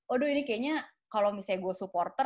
aduh ini kayaknya kalau misalnya gue supporter